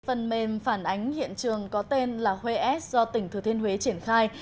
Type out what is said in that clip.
phần mềm phản ánh hiện trường có tên là huế s do tỉnh thừa thiên huế triển khai